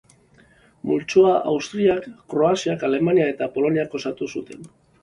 Multzoa Austriak, Kroaziak, Alemaniak eta Poloniak osatu zuten.